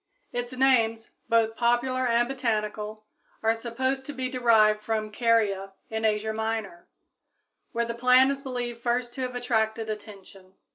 Its names, both popular and botanical, are supposed to be derived from Caria, in Asia Minor, where the plant is believed first to have attracted attention.